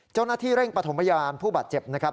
เจ้าหน้าที่เร่งปฐมพยาบาลผู้บาดเจ็บนะครับ